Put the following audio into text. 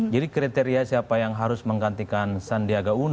jadi kriteria siapa yang harus menggantikan sandiaga udhara